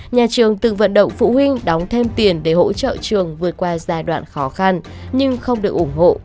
nhà trường từng vận động phụ huynh đóng thêm tiền để hỗ trợ trường vượt qua giai đoạn khó khăn nhưng không được ủng hộ